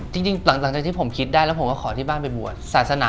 จริงหลังจากที่ผมคิดได้แล้วผมก็ขอที่บ้านไปบวชศาสนา